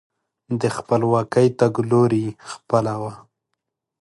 د خپلواکۍ تګلوري خپله وه.